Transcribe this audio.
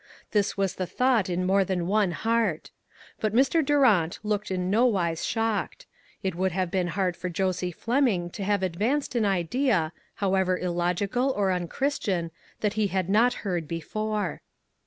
This was the thought in more than one heart. But Mr. Durant looked in no wise shocked; it would have been hard for Josie Fleming to have ad vanced an idea, however illogical or unchris tian, that he had not heard before.